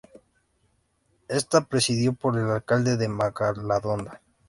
Está presidido por el alcalde de Majadahonda.